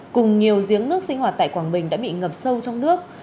cùng nhiều giếng nước sinh hoạt tại quảng bình đã bị ngập sâu trong nước